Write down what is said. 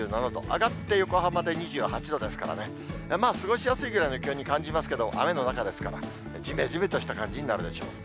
上がって横浜で２８度ですからね、まあ過ごしやすいぐらいの気温に感じますけど、雨の中ですから、じめじめとした感じになるでしょう。